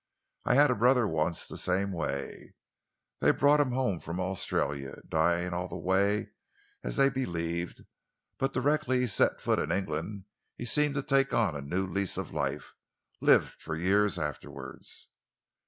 "I had a brother once the same way. They brought him home from Australia, dying all the way, as they believed, but directly he set foot in England he seemed to take on a new lease of life lived for years afterwards."